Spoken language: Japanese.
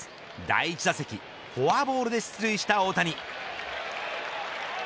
第１打席フォアボールで出塁した大谷。